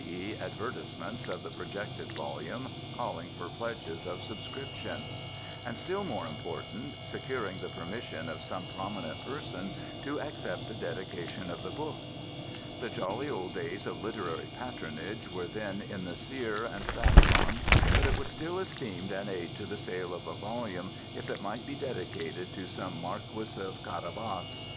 e., advertisements of the projected volume, calling for pledges of subscription—and, still more important, securing the permission of some prominent person to accept a dedication of the book. The jolly old days of literary patronage were then in the sere and saffron, but it was still esteemed an aid to the sale of a volume if it might be dedicated to some marquis of Carabas.